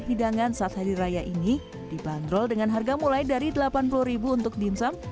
hidangan saat hari raya ini dibanderol dengan harga mulai dari rp delapan puluh untuk dimsum